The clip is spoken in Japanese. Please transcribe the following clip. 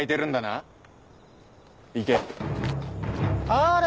あれ。